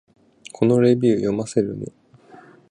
このレビュー、読ませるね